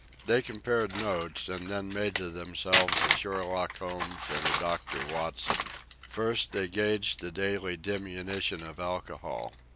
They compared notes and then made of themselves a Sherlock Holmes and a Doctor Watson. First, they gauged the daily diminution of alcohol.